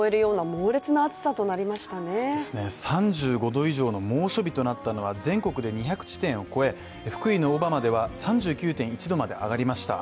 ３５度以上の猛暑日となったのは全国で２００地点を超え、福井の小浜では３９．１度まで上がりました。